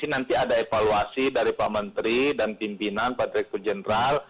nanti ada evaluasi dari pak menteri dan pimpinan pak direktur jenderal